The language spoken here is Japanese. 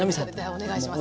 お願いします。